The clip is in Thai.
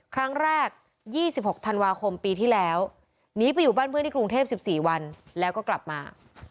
ครั้งแรก๒๖ธันวาคมปีที่แล้วหนีไปอยู่บ้านเพื่อนที่กรุงเทพ๑๔วันแล้วก็กลับมา